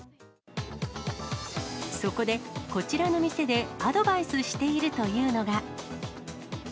そこでこちらの店で、アドバイスしているというのが。